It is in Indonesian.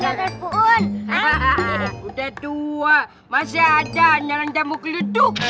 hahaha udah tua masih ada yang nyalang jamu geluduk